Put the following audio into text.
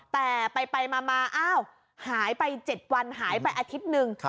แต่ไปมาอ้าวหายไป๗วันหายไปอาทิตย์หนึ่ง